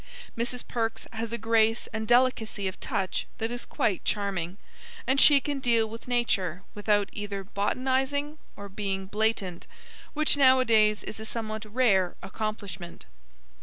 Mrs. Perks has a grace and delicacy of touch that is quite charming, and she can deal with nature without either botanising or being blatant, which nowadays is a somewhat rare accomplishment.